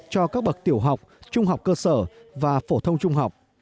cho các bậc tiểu học trung học cơ sở và phổ thông trung học